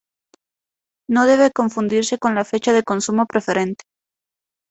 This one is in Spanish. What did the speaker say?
No debe confundirse con la fecha de consumo preferente.